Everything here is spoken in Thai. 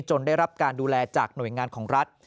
ได้รับการดูแลจากหน่วยงานของรัฐ